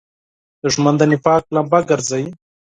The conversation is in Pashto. دښمن د نفاق لمبه ګرځوي